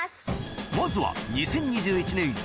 まずは２０２１年